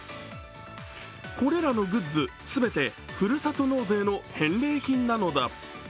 これらのグッズ、全てふるさと納税の返礼品なのだ。